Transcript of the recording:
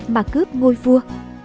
mà cướp ngôi vua